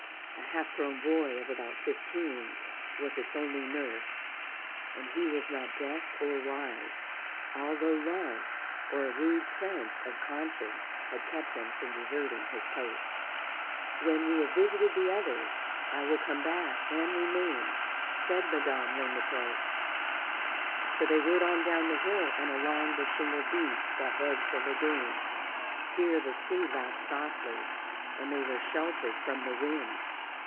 A half grown boy of about fifteen was its only nurse, and he was not deft or wise, although love, or a rude sense of conscience, had kept him from deserting his post. "When we have visited the others, I will come back and remain," said Madame Le Maître. So they rode on down the hill and along the shingled beach that edged a lagoon. Here the sea lapped softly and they were sheltered from the wind.